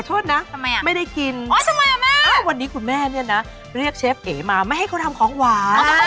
โทษนะทำไมอ่ะไม่ได้กินอ๋อทำไมอ่ะแม่วันนี้คุณแม่เนี่ยนะเรียกเชฟเอ๋มาไม่ให้เขาทำของหวาน